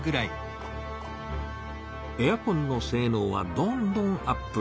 エアコンのせいのうはどんどんアップ。